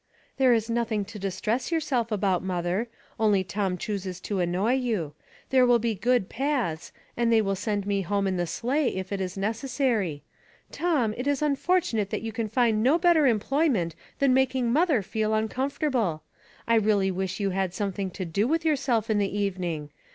63 "There is nothing to distress yourself about, mother. Only Tom chooses to annoy you. There will be good paths, and they will send me home in the sleigh if it is necessary. Tom, it is unfortunate that you can find no better em ployment than making mother feel uncomforta ble. I really wish you had something to do with yourself in the evening.